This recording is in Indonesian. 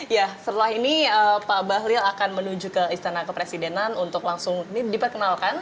ya setelah ini pak bahlil akan menuju ke istana kepresidenan untuk langsung diperkenalkan